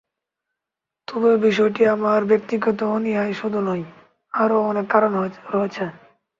তবে বিষয়টি আমার ব্যক্তিগত অনীহাই শুধু নয়, আরও অনেক কারণ রয়েছে।